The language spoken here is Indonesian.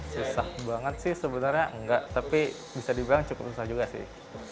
susah banget sih sebenarnya enggak tapi bisa dibilang cukup susah juga sih